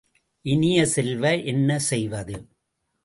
இனிய செல்வ, என்ன செய்வது?